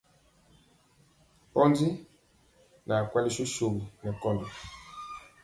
Pondi naa kwali sosogi nɛ kɔndɔ.